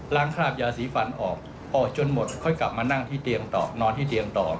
คราบยาสีฟันออกออกจนหมดค่อยกลับมานั่งที่เตียงต่อนอนที่เตียงต่อ